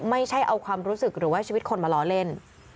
ไม่ใช่เอาความรู้สึกหรือว่าชีวิตคนมาล้อเล่น